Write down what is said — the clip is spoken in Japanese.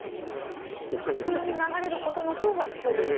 普通に流れることのほうが脅威と。